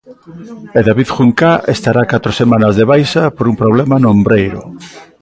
E David Juncá estará catro semanas de baixa por un problema no ombreiro.